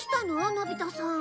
のび太さん。